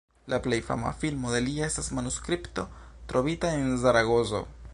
La plej fama filmo de li estas "Manuskripto trovita en Zaragozo".